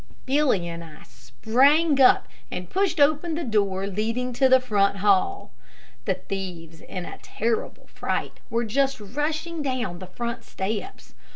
Billy and I sprang up and pushed open the door leading to the front hall. The thieves in a terrible fright were just rushing down the front steps.